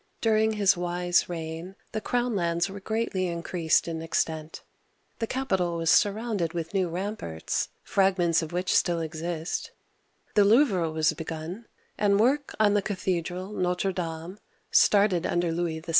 During his wise reign the crown lands were greatly increased in extent, the capital was surrounded with new ramparts, — fragments of which still exist, — the Louvre (loo'vr*) was begun, and work on the cathedral Notre Dame (started under Louis VII.